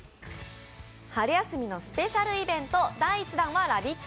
春休みのスペシャルイベント、第１弾はラヴィット！